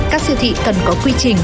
các siêu thị cần có quy trình